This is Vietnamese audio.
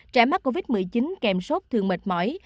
trẻ mắc covid một mươi chín kèm sốt thường mệt mỏi